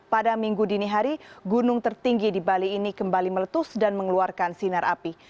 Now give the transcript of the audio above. pada minggu dini hari gunung tertinggi di bali ini kembali meletus dan mengeluarkan sinar api